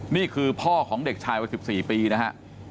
นี่คือพ่อของเด็กชายวัย๑๔ปีนะฮะ